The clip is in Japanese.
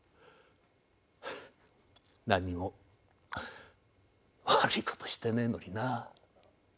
何も悪い事してねえのにな。